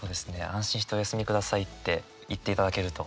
「安心してお休み下さい」って言っていただけると。